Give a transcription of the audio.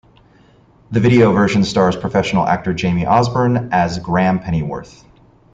The video version stars professional actor Jamie Osborn as Graham Pennyworth.